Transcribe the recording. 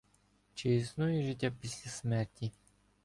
Чи існує життя після смерті?